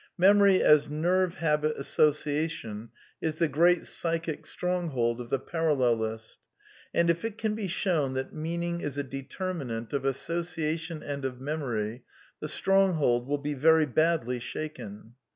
Memory as nerve habit association is the great psychic stronghold of the parallelist ; and if it can be shown that (T meaning is a determinant of association and of memory, the ^ stronghold will be very badly shaken.